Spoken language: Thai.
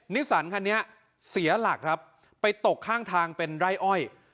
นิสันคันนี้เสียหลักครับไปตกข้างทางเป็นไร่อ้อย